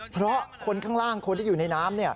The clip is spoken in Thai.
เพราะคนข้างล่างคนที่อยู่ในน้ำ